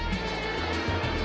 jangan makan aku